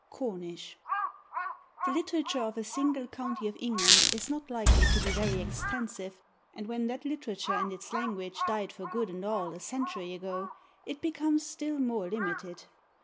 IV CORNISH The literature of a single county of England is not likely to be very extensive, and when that literature and its language died for good and all, a century ago, it becomes still more limited.